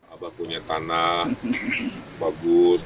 abah punya tanah bagus